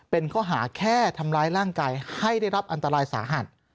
เป็นข้อหาแค่ทำร้ายร่างกายให้ได้รับอันตรายสาหัส